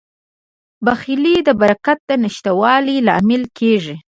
بخیلي د برکت د نشتوالي لامل کیږي.